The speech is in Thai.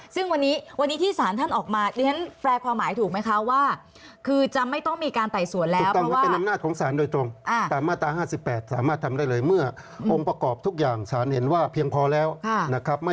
ซึ่งวันนี้ที่ศาลท่านออกมาเดี๋ยวฉันแปลความหมายถูกไหมคะว่า